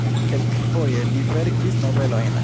Kelkfoje li verkis novelojn.